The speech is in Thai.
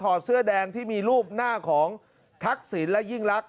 ถอดเสื้อแดงที่มีรูปหน้าของทักศิลป์และยิ่งรัก